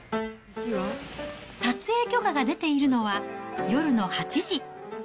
撮影許可が出ているのは、夜の８時。